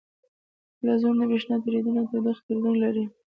فلزونه د برېښنا تیریدنې او تودوخې تیریدنې لرونکي دي.